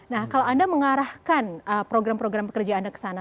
nah kalau anda mengarahkan program program pekerjaan anda ke sana